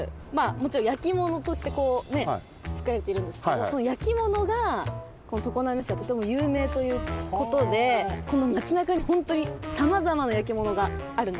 もちろん焼き物としてこうねつくられているんですけどその焼き物がこの常滑市はとてもゆうめいということでこのマチなかにほんとにさまざまな焼き物があるんですね。